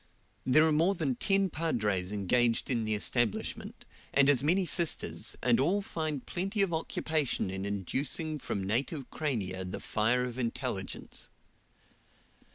There are more than ten padres engaged in the establishment, and as many sisters, and all find plenty of occupation in educing from native crania the fire of intelligence.